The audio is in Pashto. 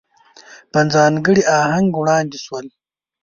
په ځانګړي آهنګ وړاندې شول.